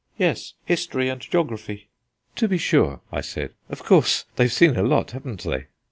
"Yes, history and geography." "To be sure," I said; "of course they've seen a lot, haven't they?"